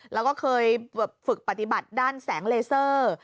แล้วก็เคยฝึกปฏิบัติด้านแสงเลเซอร์